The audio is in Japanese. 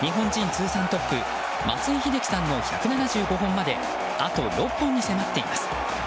通算トップ松井秀喜さんの１７５本まであと６本に迫っています。